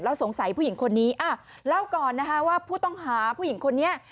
แล้วสงสัยผู้หญิงคนนี้เล่าก่อนนะคะว่าผู้ต้องหาผู้หญิงคนนี้